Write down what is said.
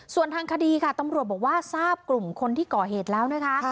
ส่วนทางคดีค่ะตำรวจบอกว่าทราบกลุ่มคนที่ก่อเหตุแล้วนะคะ